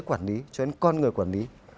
quản lý cho đến con người quản lý